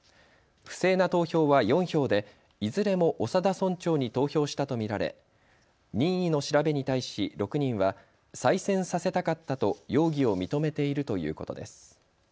不正な投票は４票でいずれも長田村長に投票したと見られ任意の調べに対し６人は再選させたかったと容疑を認めているということです。